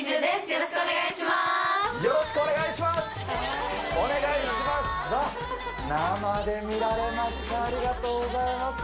よろしくお願いします。